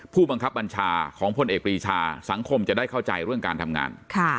ผู้บังคับบัญชาของพลเอกปรีชาสังคมจะได้เข้าใจเรื่องการทำงาน